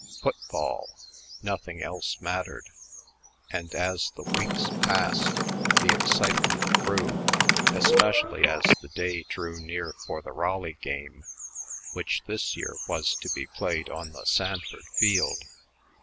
Football! Nothing else mattered. And as the weeks passed, the excitement grew, especially as the day drew near for the Raleigh game, which this year was to be played on the Sanford field.